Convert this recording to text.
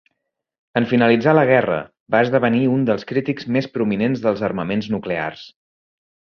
En finalitzar la guerra, va esdevenir un dels crítics més prominents dels armaments nuclears.